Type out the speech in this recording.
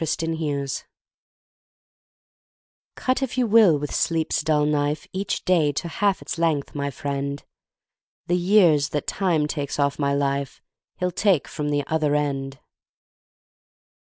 Midnight Oil CUT if you will, with Sleep's dull knife, Each day to half its length, my friend, The years that Time takes off my life, He'll take from the other end!